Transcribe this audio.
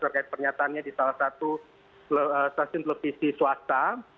terkait pernyataannya di salah satu stasiun televisi swasta